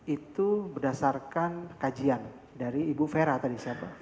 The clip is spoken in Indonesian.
itu berdasarkan kajian dari ibu vera tadi siapa